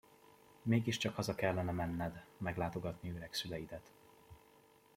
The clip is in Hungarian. Mégiscsak haza kellene menned, meglátogatni öreg szüleidet!